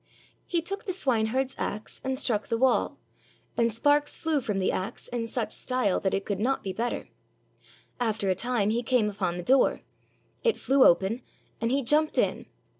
He took the swineherd's axe and struck the wall, 1 He who counts the pigs. 389 AUSTRIA HUNGARY and sparks flew from the axe in such style that it could not be better. After a time he came upon the door; it flew open, and he jumped in.